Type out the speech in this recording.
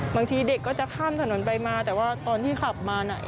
บางทีเด็กก็จะข้ามถนนไปมาแต่ว่าตอนที่ขับมาน่ะ